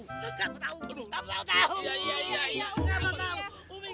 gak mau tau gak mau tau umi gak mau amin